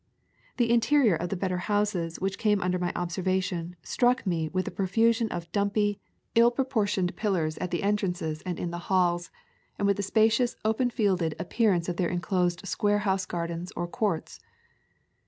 The interior of the better houses which came under my observation struck me with the pro fusion of dumpy, ill proportioned pillars at the [ 155] A Thousand Mile Walk entrances and in the halls, and with the spacious open fielded appearance of their enclosed square house gardens or courts.